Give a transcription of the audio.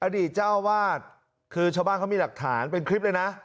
อดีตเจ้าวาดคือชาวบ้านเขามีหลักฐานเป็นคลิปเลยนะ